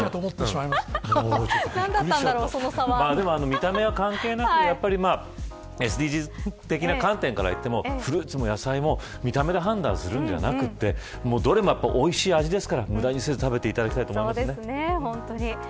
見た目は関係なくＳＤＧｓ的な観点から言ってもフルーツも野菜も見た目で判断するのではなくてどれも、おいしい味なので無駄にせず食べていただきたいです。